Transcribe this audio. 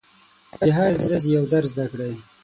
د هرې ورځې یو درس زده کړئ.